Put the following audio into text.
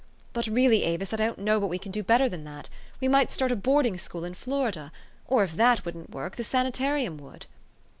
But really, Avis, I don't know but we can do better than that. We might start a boarding school in Florida or, if that, wouldn't work, the sanitarium would."